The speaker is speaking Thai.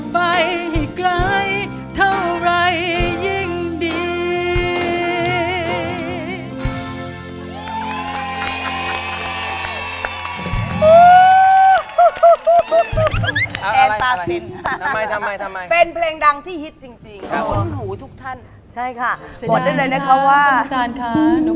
ไปเถอะไปให้ไกลเท่าไหร่ยิ่งดี